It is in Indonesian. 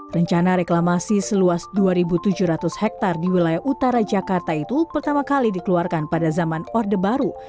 rencana reklamasi seluas dua tujuh ratus hektare di wilayah utara jakarta itu pertama kali dikeluarkan pada zaman orde baru